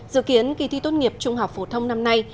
dự kiến kỳ thi tốt nghiệp trung học phổ thông năm nay